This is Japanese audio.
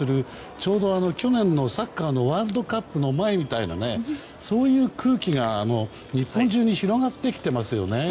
ちょうど去年のサッカーのワールドカップの前みたいな空気が日本中に広がってきていますよね。